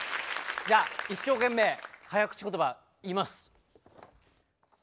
じゃあ一生懸命早口言葉言います。